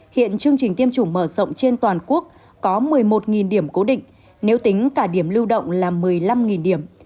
hiện chương trình tiêm chủng mở rộng trên toàn quốc có một mươi một điểm cố định nếu tính cả điểm lưu động là một mươi năm điểm